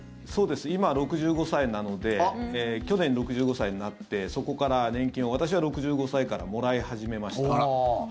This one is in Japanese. そうです今、６５歳なので去年、６５歳になってそこから年金を私は６５歳からもらい始めました。